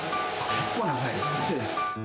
結構長いですね。